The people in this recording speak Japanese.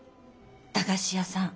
駄菓子屋さん。